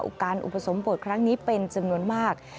การอุปสมบทครั้งนี้เป็นจำนวนมาก